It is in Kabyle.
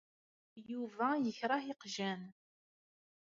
Yuba ikreh iqjan.